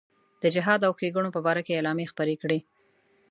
د جهاد او ښېګڼو په باره کې اعلامیې خپرې کړې.